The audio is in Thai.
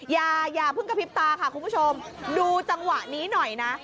อย่าเพิ่งกระพริบตาค่ะคุณผู้ชมดูจังหวะนี้หน่อยนะ